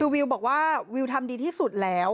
วิวบอกว่าวิวทำดีที่สุดแล้ว